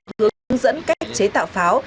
hướng dẫn cách chế tạo pháo